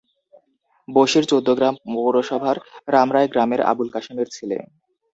বশির চৌদ্দগ্রাম পৌরসভার রামরায় গ্রামের আবুল কাশেমের ছেলে।